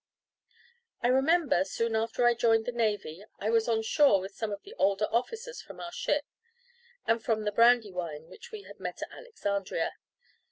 I remember, soon after I joined the navy, I was on shore with some of the older officers from our ship and from the Brandywine, which we had met at Alexandria.